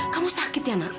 kamu sakit ya nak